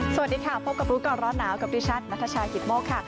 สวัสดีค่ะพบกับรู้ก่อนร้อนหนาวกับดิฉันนัทชายกิตโมกค่ะ